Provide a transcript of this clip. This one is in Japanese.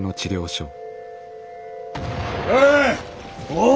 おい！